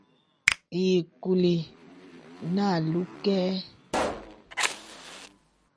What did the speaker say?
Ìì kùlì nə̀ àlū kɛ̄.